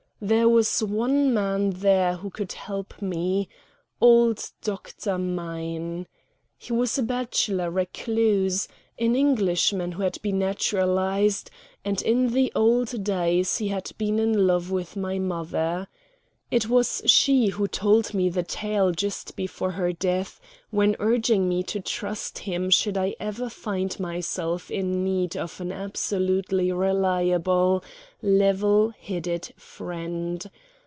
There was one man there who could help me old Dr. Mein. He was a bachelor recluse, an Englishman who had been naturalized, and in the old days he had been in love with my mother. It was she who told me the tale just before her death, when urging me to trust him should I ever find myself in need of an absolutely reliable, level headed friend.